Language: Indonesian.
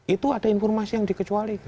itu ada informasi yang dikecualikan